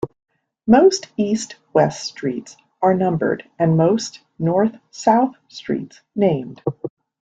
Most east-west streets are numbered and most north-south streets named.